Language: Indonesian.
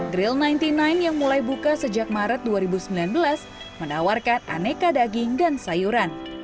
grill sembilan puluh sembilan yang mulai buka sejak maret dua ribu sembilan belas menawarkan aneka daging dan sayuran